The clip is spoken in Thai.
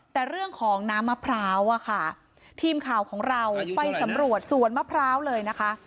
แต่เรื่องของน้ำมะพร้าวอะค่ะทีมข่าวของเราไปสำรวจสวนมะพร้าวเลยนะคะ